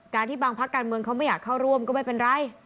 ที่บางพักการเมืองเขาไม่อยากเข้าร่วมก็ไม่เป็นไร